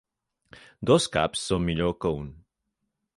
Dos caps són millor que un.